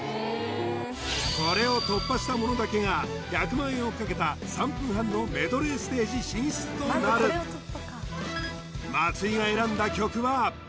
これを突破した者だけが１００万円をかけた３分半のメドレーステージ進出となる松井が選んだ曲は？